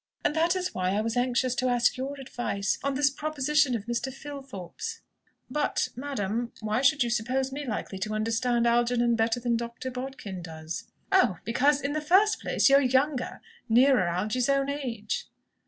And that is why I was anxious to ask your advice, on this proposition of Mr. Filthorpe's." "But, madam, why should you suppose me likely to understand Algernon better than Dr. Bodkin does?" "Oh, because In the first place, you are younger, nearer Algy's own age."